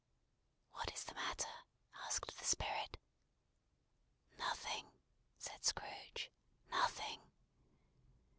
"What is the matter?" asked the Spirit. "Nothing," said Scrooge. "Nothing.